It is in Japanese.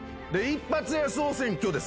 一発屋総選挙です。